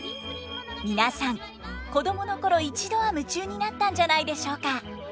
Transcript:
皆さん子供の頃一度は夢中になったんじゃないでしょうか。